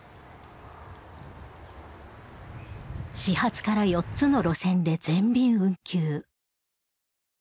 始発から４つの路線で全便運休。